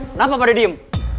kenapa pada diem